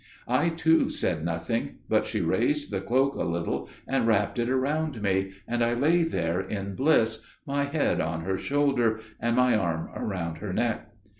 I too said nothing, but she raised the cloak a little and wrapped it round me, and I lay there in bliss, my head on her shoulder, and my arm round her neck.